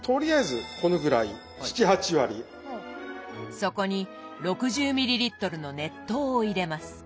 そこに６０ミリリットルの熱湯を入れます。